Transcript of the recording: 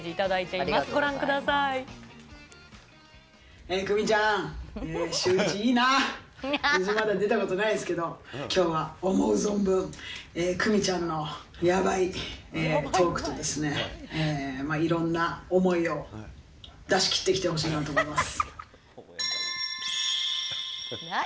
うち、まだ出たことないですけど、きょうは思う存分、來未ちゃんのやばいトークとですね、いろんな思いを出し切ってきてほしいなと思います。